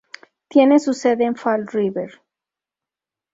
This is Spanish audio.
Tiene su sede en Fall River.